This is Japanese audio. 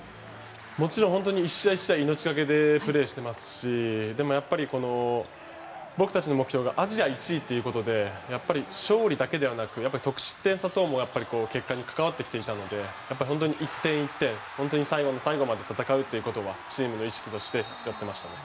もちろん本当に１試合１試合命懸けでプレーしていますし僕たちの目標がアジア１位ということで勝利だけではなく得失点差等も結果に関わってきていたので本当に１点１点最後まで戦うということはチームの意識としてやっていましたね。